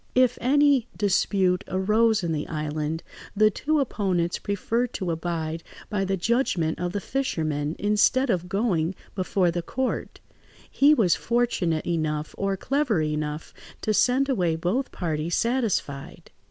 If any dispute arose in the island, the two opponents preferred to abide by the judgment of the fisherman instead of going before the court; he was fortunate enough or clever enough to send away both parties satisfied.